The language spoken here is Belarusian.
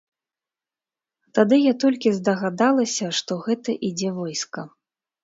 Тады я толькі здагадалася, што гэта ідзе войска.